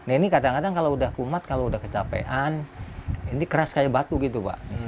ini kadang kadang kalau udah kumat kalau udah kecapean ini keras kayak batu gitu pak